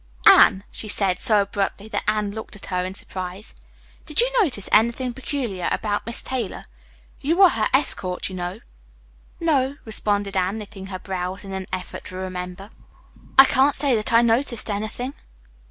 "Anne," she said so abruptly that Anne looked at her in surprise, "did you notice anything peculiar about Miss Taylor? You were her escort, you know." "No," responded Anne, knitting her brows in an effort to remember. "I can't say that I noticed anything."